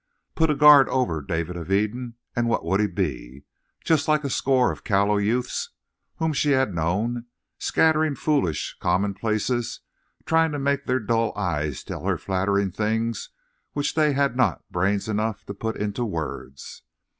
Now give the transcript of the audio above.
Put a guard over David of Eden, and what would he be? Just like a score of callow youths whom she had known, scattering foolish commonplaces, trying to make their dull eyes tell her flattering things which they had not brains enough to put into words.